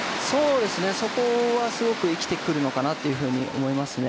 そこはすごく生きてくるのかなと思いますね。